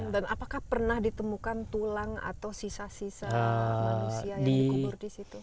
dan apakah pernah ditemukan tulang atau sisa sisa manusia yang dikubur di situ